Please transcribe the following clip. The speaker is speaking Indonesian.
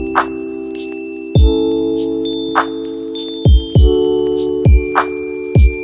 serius gak mau